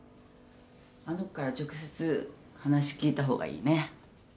あの子から直接話聞いた方がいいね。